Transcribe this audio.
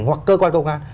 hoặc cơ quan công an